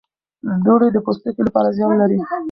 دوړې د پوستکي لپاره زیان لري.